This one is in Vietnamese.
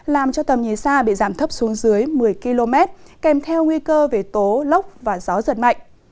làm cho tầm nhìn xa bị giảm thấp xuống dưới một mươi km kèm theo nguy cơ về tố lốc và gió giật mạnh